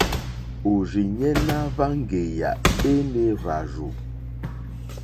Òrzìɲɛ́ ná hwáŋɡèyà énè hwàrzù.